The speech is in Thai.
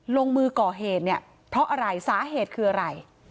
ลงมือก่อเหตุเนี่ยเพราะอะไรสาเหตุคืออะไร